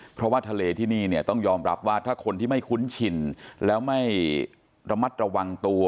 เพราะว่าทะเลที่นี่เนี่ยต้องยอมรับว่าถ้าคนที่ไม่คุ้นชินแล้วไม่ระมัดระวังตัว